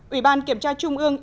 ủy ban kiểm tra trung ương